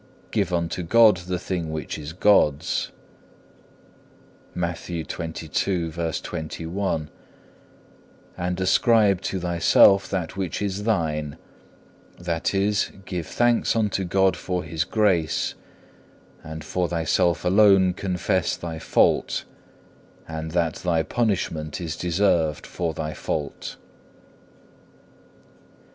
Give unto God the thing which is God's,(1) and ascribe to thyself that which is thine; that is, give thanks unto God for His grace, but for thyself alone confess thy fault, and that thy punishment is deserved for thy fault.